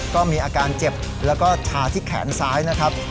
ก็มีอาการเจ็บแล้วก็ชาที่แขนซ้ายนะครับ